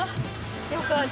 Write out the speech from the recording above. よかった。